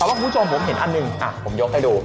แต่ว่าคุณผู้ชมผมเห็นอันหนึ่งผมยกให้ดู